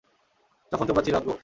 যখন তোমরা ছিলে অজ্ঞ?